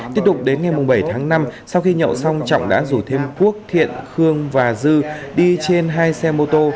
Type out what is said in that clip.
tiếp tục đến ngày bảy tháng năm sau khi nhậu xong trọng đã rủ thêm quốc thiện khương và dư đi trên hai xe mô tô